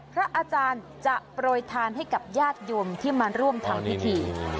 พระอาจารย์จะโปรยทานให้กับญาติโยมที่มาร่วมทำพิธี